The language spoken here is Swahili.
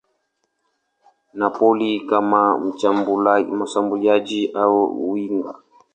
Napoli kama mshambuliaji au winga.